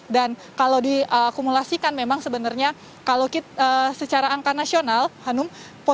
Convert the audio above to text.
dan kalau diakumulasikan memang sebenarnya kalau secara angka nasional hanum